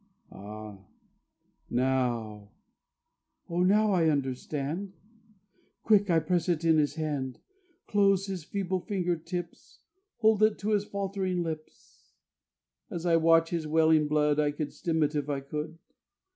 _ Now, oh now I understand. Quick I press it in his hand, Close his feeble finger tips, Hold it to his faltering lips. As I watch his welling blood I would stem it if I could.